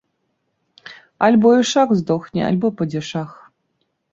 Альбо ішак здохне, альбо падзішах.